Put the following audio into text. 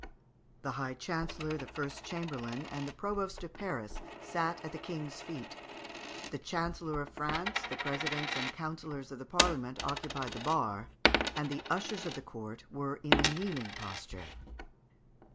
The High Chancellor, the First Chamberlain, and the Provost of Paris, sat at the King's feet. The Chancellor of France, the presidents and councillors of the Parliament, occupied the bar, and the ushers of the court were in a kneeling posture.